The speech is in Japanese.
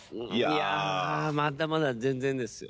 いやまだまだ全然ですよ。